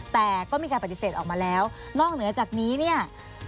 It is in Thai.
แต่ก็มีการปฏิเสธออกมาแล้วนอกเหนือจากนี้เนี่ย